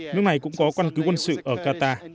nước này cũng có quan cứu quân sự ở qatar